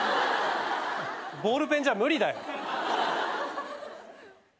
ボールペンじゃ無理だよ。